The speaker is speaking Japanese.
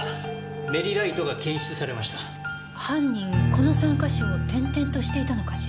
この３か所を転々としていたのかしら？